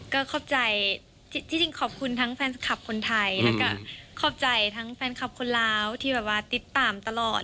ก็ขอบใจที่จริงขอบคุณทั้งแฟนคลับคนไทยแล้วก็ขอบใจทั้งแฟนคลับคนลาวที่แบบว่าติดตามตลอด